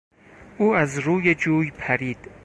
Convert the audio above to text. او از روی جوی پرید.